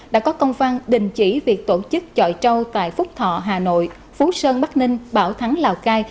đã có công phan đình chỉ việc tổ chức trọi trâu tại phúc thọ hà nội phú sơn bắc ninh bảo thắng lào cai